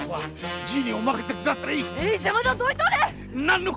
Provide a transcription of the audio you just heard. じい！